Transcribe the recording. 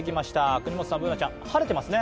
國本さん、Ｂｏｏｎａちゃん、晴れてますね。